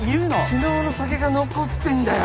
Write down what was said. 昨日の酒が残ってんだよ。